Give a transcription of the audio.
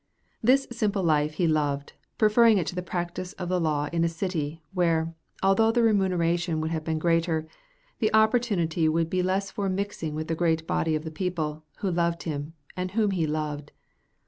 This simple life he loved, preferring it to the practice of the law in a city, where, although the remuneration would be greater, the opportunity would be less for mixing with the great body of the people, who loved him, and whom he loved.